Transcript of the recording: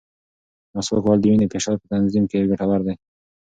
مسواک وهل د وینې د فشار په تنظیم کې ګټور دی.